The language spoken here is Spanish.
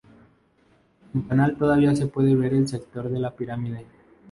El canal todavía se puede ver en el sector de La Pirámide.